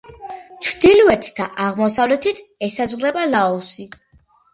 ჩრდილოეთით და აღმოსავლეთით ესაზღვრება ლაოსი.